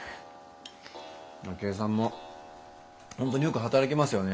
明恵さんも本当によく働きますよね。